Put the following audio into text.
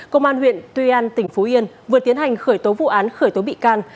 phú yên vừa tiến hành khởi tố vụ án khởi tố bị can